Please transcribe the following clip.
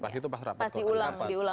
pas itu pas rapat koordinasi